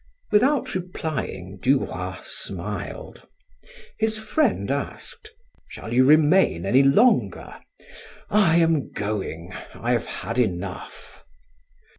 Without replying, Duroy smiled. His friend asked: "Shall you remain any longer? I am going; I have had enough."